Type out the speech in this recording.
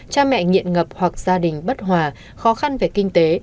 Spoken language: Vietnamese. cha mẹ nghiện ngập hoặc gia đình bất hòa khó khăn về kinh tế